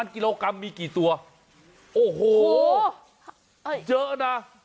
กิโลกรัมมีกี่ตัวโอ้โหเยอะนะ